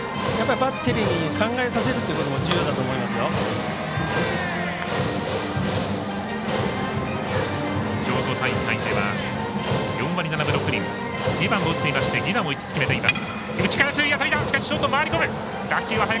バッテリーに考えさせることも重要だと思いますよ。